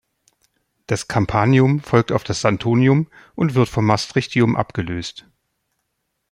Das Campanium folgt auf das Santonium und wird vom Maastrichtium abgelöst.